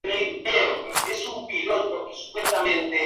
Sus alas son anchas y puntiagudas.